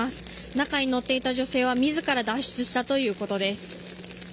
中に乗っていた女性は自ら脱出したということです。